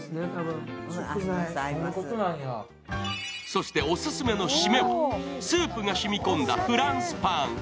そしてオススメの締め、スープが染み込んだフランスパン。